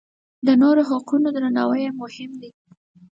د نورو حقونه درناوی یې مهم دی.